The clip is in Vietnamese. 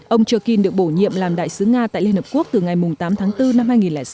ông jorkin được bổ nhiệm làm đại sứ nga tại liên hợp quốc từ ngày tám tháng bốn năm hai nghìn sáu